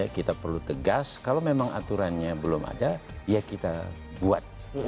kita perlu tegas kalau memang aturannya belum ada ya kita buat